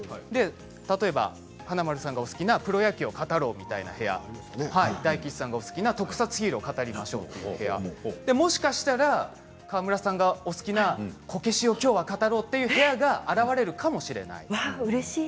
例えば華丸さんがお好きなプロ野球を語ろうみたいな部屋大吉さんがお好きな特撮ヒーローを語りましょうという部屋もしかしたら川村さんがお好きなこけしをきょうは語ろうというわあ、うれしい。